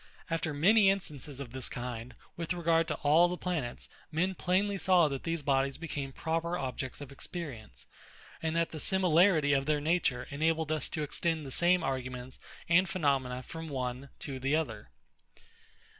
After many instances of this kind, with regard to all the planets, men plainly saw that these bodies became proper objects of experience; and that the similarity of their nature enabled us to extend the same arguments and phenomena from one to the other.